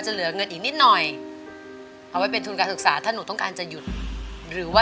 เขาเพลงที่๖๐๐๐๐นะคะคุณยายค่ะ